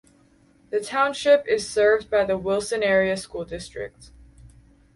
The Township is served by the Wilson Area School District.